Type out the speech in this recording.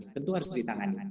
tentu harus ditangani